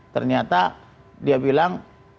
ternyata dia bilang